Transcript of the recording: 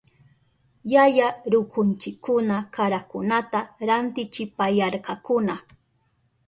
Yaya rukunchikuna karakunata rantichipayarkakuna.